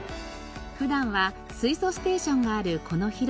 普段は水素ステーションがあるこの広場。